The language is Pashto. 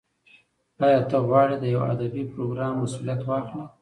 ایا ته غواړې د یو ادبي پروګرام مسولیت واخلې؟